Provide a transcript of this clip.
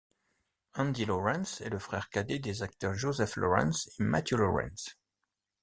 Andy Lawrence est le frère cadet des acteurs Joseph Lawrence et Matthew Lawrence.